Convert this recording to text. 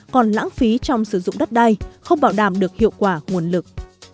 còn lãng phí trong sử dụng đất đai không bảo đảm được hiệu quả nguồn lực